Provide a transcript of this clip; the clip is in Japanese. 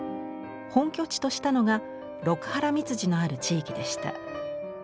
本拠地としたのが六波羅蜜寺のある地域でした。